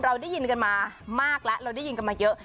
เราได้ยินมากและได้ยินมาเยอะ